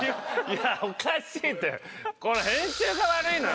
いやおかしいって。